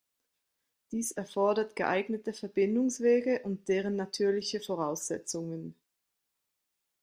Dies erfordert geeignete Verbindungswege und deren natürliche Voraussetzungen.